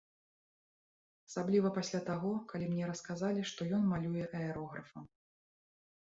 Асабліва пасля таго, калі мне расказалі, што ён малюе аэрографам.